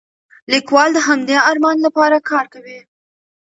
لیکوال د همدې ارمان لپاره کار کوي.